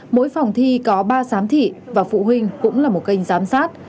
mỗi phòng thi có ba giám thị và phụ huynh cũng là một kênh giám sát